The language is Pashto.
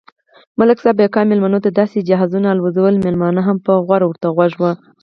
ملک صاحب بیگا مېلمنوته داسې جهازونه الوزول، مېلمانه هم په غور ورته غوږ و.